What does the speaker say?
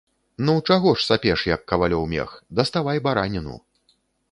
Ну, чаго ж сапеш, як кавалёў мех, даставай бараніну.